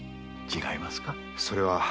それは。